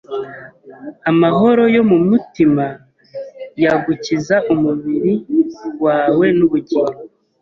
amahoro yo mu mutima yagukiza umubiri wawe nubugingo